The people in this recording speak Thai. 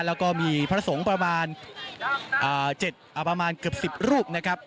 แล้วก็มีพระสงฆ์ประมาณอ่าเจ็ดอ่าประมาณเกือบสิบรูปนะครับ